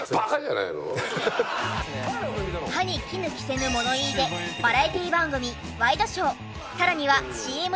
歯に衣着せぬ物言いでバラエティ番組ワイドショーさらにはＣＭにも多数出演。